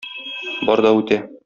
Бар да үтә...